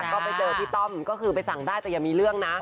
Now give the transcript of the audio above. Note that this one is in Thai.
ก็ไปเจอพี่ต้อมก็คือไปสั่งได้แต่อย่ามีเรื่องนะ